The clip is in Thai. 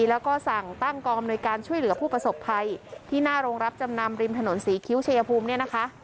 แล้วก็สั่งตั้งกองอำนวยการช่วยเหลือผู้ประสบภัยที่หน้าโรงรับจำนำริมถนนศรีคิ้วชัยภูมิเนี่ยนะคะ